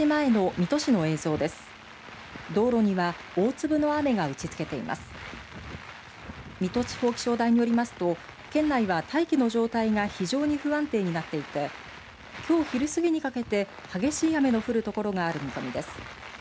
水戸地方気象台によりますと県内は大気の状態が非常に不安定になっていてきょう昼過ぎにかけて激しい雨の降る所がある見込みです。